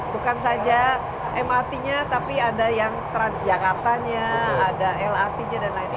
bukan saja mrt nya tapi ada yang transjakartanya ada lrt nya dan lain lain